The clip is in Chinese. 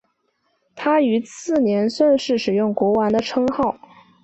他于次年正式使用国王的称号。